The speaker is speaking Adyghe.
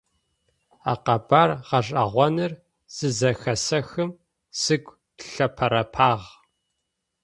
А къэбар гъэшӀэгъоныр зызэхэсэхым сыгу лъэпэрэпагъ.